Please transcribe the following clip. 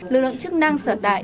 lực lượng chức năng sở tại